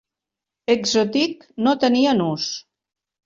"Exotique" no tenia nus.